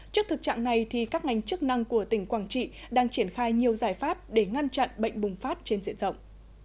trước thực trạng này các ngành chức năng của tỉnh quảng trị đang triển khai nhiều giải pháp để ngăn chặn bệnh bùng phát trên diện rộng